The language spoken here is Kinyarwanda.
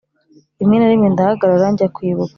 rimwe na rimwe ndahagarara, njya kwibuka